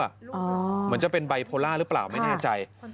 เหมือนจะเป็นไบโพล่าหรือเปล่าไม่แน่ใจ